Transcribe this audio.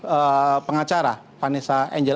tim pengacara vanessa angel